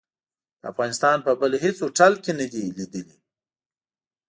د افغانستان په بل هيڅ هوټل کې نه دي ليدلي.